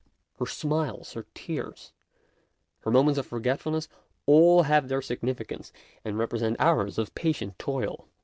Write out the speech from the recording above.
Her smiles, her tears, her moments of forgetfulness, all have their significance and represent hours of patient toil.